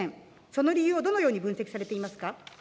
その理由をどのように分析されていますか。